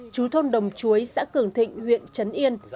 chú thôn đồng chuối xã cường thịnh huyện trấn yên